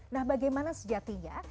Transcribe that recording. nah bagaimana sejatinya